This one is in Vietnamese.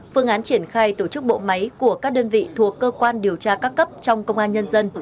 phương án triển khai tổ chức bộ máy của các đơn vị thuộc cơ quan điều tra các cấp trong công an nhân dân